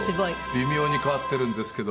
微妙に変わってるんですけど。